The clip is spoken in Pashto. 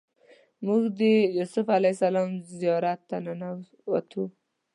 موږ د یوسف علیه السلام زیارت ته ننوتو.